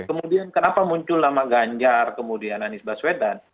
kemudian kenapa muncul nama ganjar kemudian anies baswedan